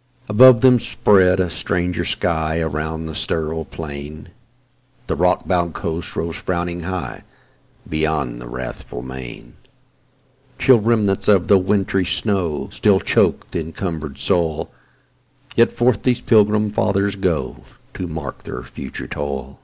'" ABOVE them spread a stranger sky Around, the sterile plain, The rock bound coast rose frowning nigh, Beyond, the wrathful main: Chill remnants of the wintry snow Still chok'd the encumber'd soil, Yet forth these Pilgrim Fathers go, To mark their future toil.